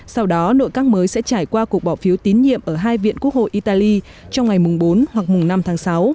sau đó nội các mới sẽ trải qua cuộc bỏ phiếu tín nhiệm ở hai viện quốc hội italy trong ngày bốn hoặc năm tháng sáu